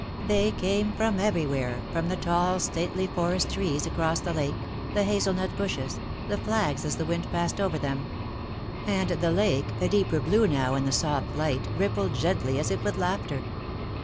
They came from everywhere, from the tall stately forest trees across the lake, the hazelnut bushes, the flags as the wind passed over them. And the lake, a deeper blue now in the soft light, rippled gently as if with laughter.